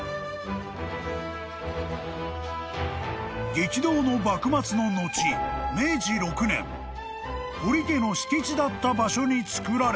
［激動の幕末の後明治６年堀家の敷地だった場所に造られた］